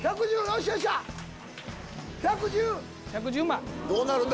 １１０万。